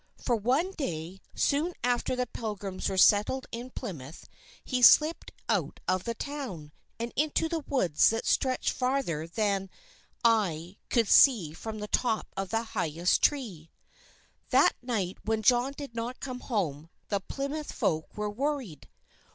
For one day, soon after the Pilgrims were settled in Plymouth, he slipped out of the town, and into the woods that stretched farther than eye could see from the top of the highest tree. That night when John did not come home, the Plymouth folk were worried.